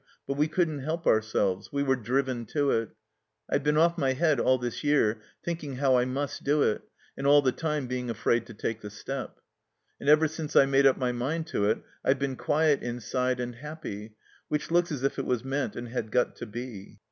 But we couldn't help ourselves. We were driven to it. I've been oS my head all this year thinking how I must do it, and all the time being afraid to take the step. And ever since I made up my mind to it I've been quiet inside and happy, which looks as if it was meant and had got to be.